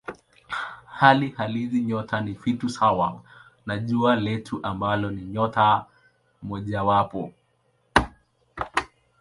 Hali halisi nyota ni vitu sawa na Jua letu ambalo ni nyota mojawapo.